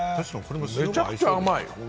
めちゃくちゃ甘い。